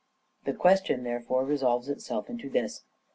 The question, therefore, resolves itself into this.